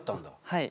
はい。